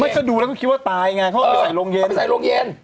ไม่ก็ดูแล้วเขาคิดว่าตายไงเขาก็ไปใส่โรงเย็น